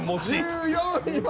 １４位は。